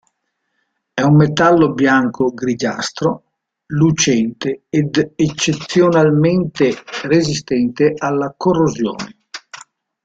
È un metallo bianco-grigiastro, lucente ed eccezionalmente resistente alla corrosione.